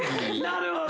なるほど